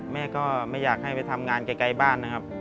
แม่ก็ไม่อยากให้ไปทำงานไกลบ้านนะครับ